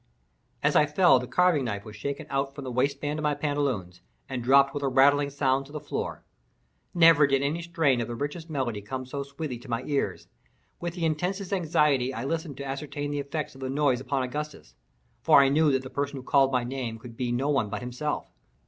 As I fell the carving knife was shaken out from the waist band of my pantaloons, and dropped with a rattling sound to the floor. Never did any strain of the richest melody come so sweetly to my ears! With the intensest anxiety I listened to ascertain the effect of the noise upon Augustus—for I knew that the person who called my name could be no one but himself.